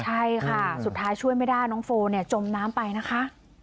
ใช่ค่ะสุดท้ายช่วยไม่ได้น้องโฟเนี่ยจมน้ำไปนะคะ